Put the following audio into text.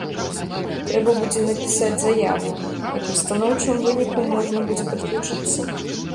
Трэба будзе напісаць заяву, і пры станоўчым выніку можна будзе падключыцца.